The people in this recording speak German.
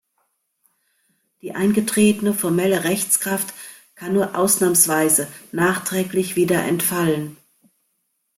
Die eingetretene formelle Rechtskraft kann nur ausnahmsweise nachträglich wieder entfallen.